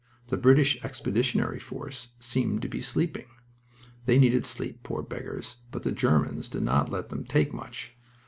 The British Expeditionary Force seemed to be sleeping. They needed sleep poor beggars! but the Germans did not let them take much.